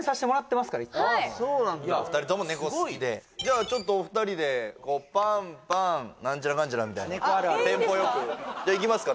お二人とも猫好きでじゃちょっとお二人で「パンパンなんちゃらかんちゃら」みたいなテンポよくいきますか？